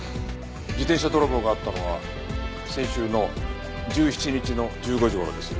自転車泥棒があったのは先週の１７日の１５時頃です。